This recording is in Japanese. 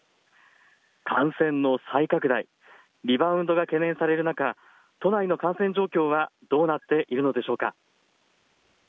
感染の再拡大、リバウンドが懸念される中、都内の感染状況はどうなっているのでしょうか。